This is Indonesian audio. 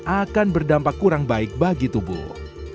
akan berdampak kurang baik bagi tubuh